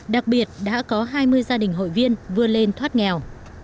đặc biệt đã có hai mươi gia đình hội viên vươn lên thoát nghèo